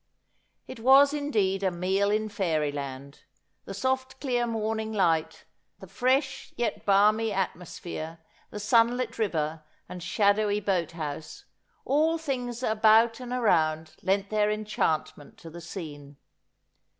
It was indeed a meal in fairyland. The soft clear morning light, the fresh yet balmy atmosphere, the sunlit river and shadowy boat house, all things about and around lent their enchantment to the scene.